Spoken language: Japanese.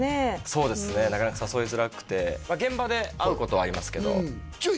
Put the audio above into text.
そうですねなかなか誘いづらくてまあ現場で会うことはありますけどじゃあ